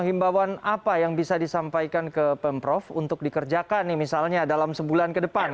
himbawan apa yang bisa disampaikan ke pemprov untuk dikerjakan nih misalnya dalam sebulan ke depan